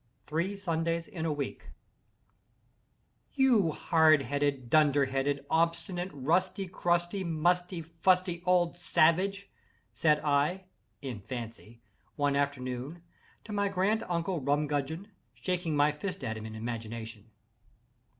THREE SUNDAYS IN A WEEK "You hard headed, dunder headed, obstinate, rusty, crusty, musty, fusty, old savage!" said I, in fancy, one afternoon, to my grand uncle Rumgudgeon—shaking my fist at him in imagination.